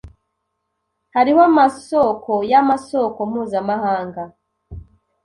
Hariho amasoko yamasoko mpuzamahanga